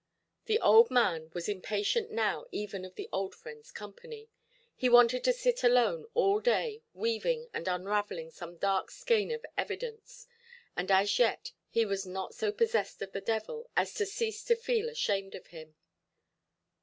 The old man was impatient now even of the old friendʼs company; he wanted to sit alone all day weaving and unravelling some dark skein of evidence, and as yet he was not so possessed of the devil as to cease to feel ashamed of him.